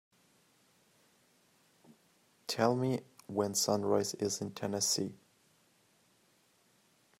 Tell me when sunrise is in Tennessee